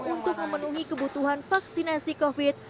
untuk memenuhi kebutuhan vaksinasi covid sembilan belas